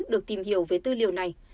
được tìm hiểu về tư liệu này